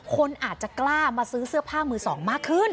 คนอาจจะกล้ามาซื้อเสื้อผ้ามือสองมากขึ้น